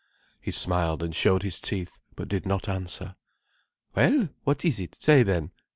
He smiled and showed his teeth but did not answer. "Well, what is it? Say then?